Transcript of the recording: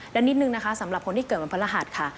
และนิดนึงนะคะสำหรับคนที่เกิดวันพระรหัสค่ะ